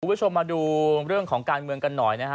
คุณผู้ชมมาดูเรื่องของการเมืองกันหน่อยนะฮะ